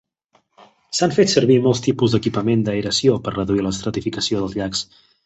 S'han fet servir molts tipus d'equipament d'aeració per reduir l'estratificació dels llacs.